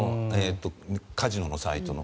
カジノのサイトの。